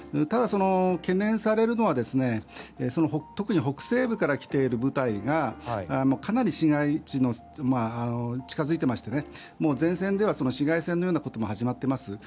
ただ、懸念されるのは特に北西部から来ている部隊がかなり市街地に近付いていましてもう前線では市街戦のようなことも始まっています。